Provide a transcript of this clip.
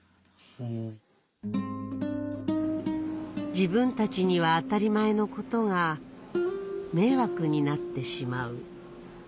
自分たちには当たり前のことが迷惑になってしまう